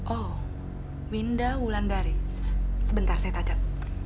oh winda wulandari sebentar saya cacat